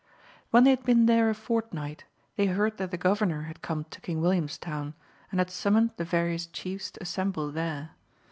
When they had been there a fortnight they heard that the Governor had come to King Williamstown, and had summoned the various chiefs to assemble there.